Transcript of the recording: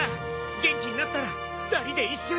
元気になったら２人で一緒に！